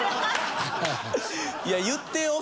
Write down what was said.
いや言ってよ